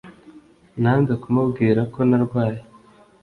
Nanze kumubwira ko narwaye